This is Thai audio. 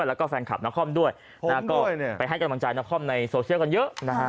และก็ไปให้กำลังใจนะครอบในโซเชียลกันเยอะ